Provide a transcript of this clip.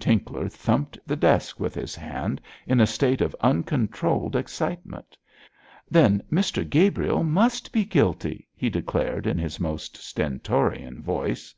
Tinkler thumped the desk with his hand in a state of uncontrolled excitement. 'Then Mr Gabriel must be guilty,' he declared in his most stentorian voice.